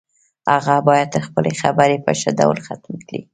هغه باید خپلې خبرې په ښه ډول ختمې کړي